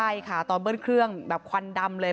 ใช่ค่ะตอนเบิ้ลเครื่องแบบควันดำเลย